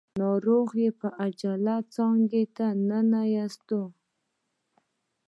ناروغ يې په عاجله څانګه ننوېست.